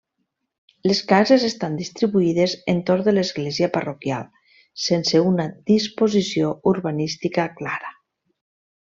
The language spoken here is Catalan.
Les cases estan distribuïdes entorn de l'església parroquial sense una disposició urbanística clara.